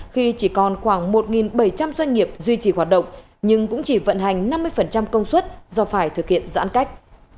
khi chỉ còn khoảng một bảy trăm linh doanh nghiệp duy trì hoạt động nhưng cũng chỉ vận hành năm mươi công suất do phải thực hiện giãn cách